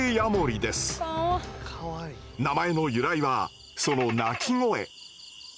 名前の由来はその鳴き声。